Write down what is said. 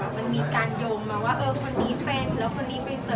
มันมีการยงมาว่าคนทีเฟ่นแล้วคนทีไปเจอ